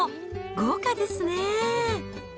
豪華ですね。